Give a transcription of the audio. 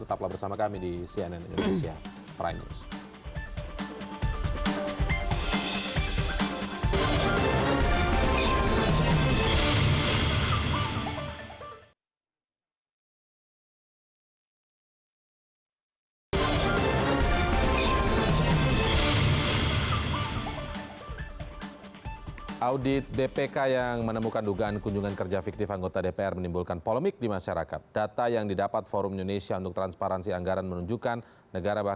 tetaplah bersama kami di cnn indonesia prime news